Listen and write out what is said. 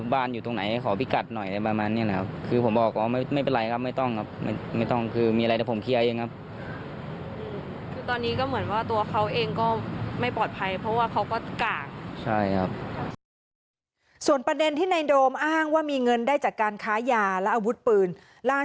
ล่าสุดตำรวจภูทรภาค๒ก็ประสานกับตำรวจภูทรรยอง